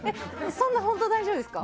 そんな本当、大丈夫ですか？